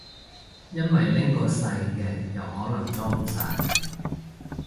因為拎個細嘅又可能裝唔晒